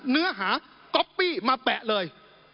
เนื้อหาก๊อปปี้มาแปะเลย